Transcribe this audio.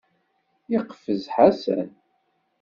Yeqfez Ḥasan.